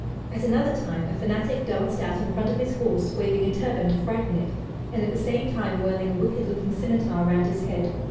At another time, a fanatic danced out in front of his horse waving a turban to frighten it, and at the same time whirling a wicked looking scimitar around his head.